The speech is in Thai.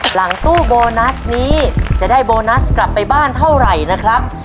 หลังตู้โบนัสนี้จะได้โบนัสกลับไปบ้านเท่าไหร่นะครับ